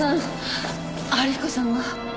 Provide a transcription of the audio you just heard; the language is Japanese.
春彦さんは？